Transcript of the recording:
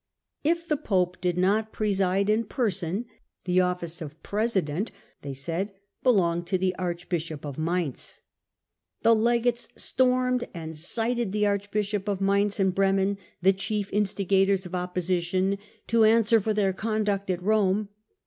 If the pope did not preside in person, the office of president, they said, belonged to the arch bishop of Mainz. The legates stormed and cited the archbishops of Mainz and Bremen, the chief instigators of opposition, to answer for their conduct at Rome.